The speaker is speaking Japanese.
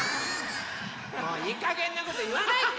もういいかげんなこといわないでよ。